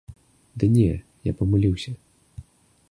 Ды не, я памыліўся.